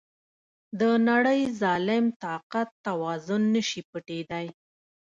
د نړی ظالم طاقت توازن نشي پټیدای.